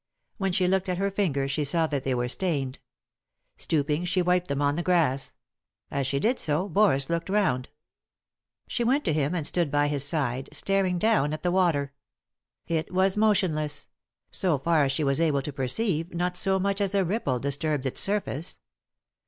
When she looked at her fingers she saw that they were stained. Stooping she wiped them on the grass. As she did so, Boris looked round. She went to m 177 3i 9 iii^d by Google THE INTERRUPTED KISS him, and stood by his side, staring down at the water. It was motionless; so far as she was able to perceive, not so much as a ripple disturbed its surface.